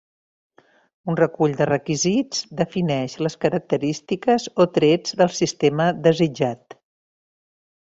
Un recull de requisits defineix les característiques o trets del sistema desitjat.